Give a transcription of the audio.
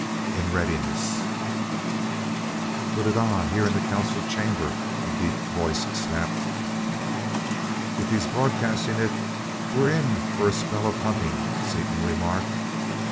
In readiness." "Put it on, here in the council chamber," a deep voice snapped. "If he's broadcasting it, we're in for a spell of hunting," Seaton remarked.